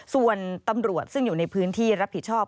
ส่วนตำรวจซึ่งอยู่ในพื้นที่รับผิดชอบ